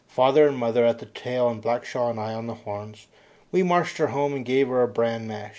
Father and mother at the tail and Blackshaw and I at the horns, we marched her home and gave her a bran mash.